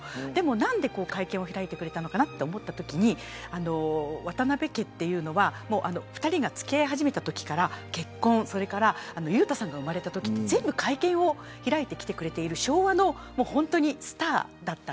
何で開いてくれたのかなと思ったときに渡辺家は二人が付き合い始めたときから結婚、それから裕太さんが生まれたとき全部会見を開いてくれている昭和のスターでした。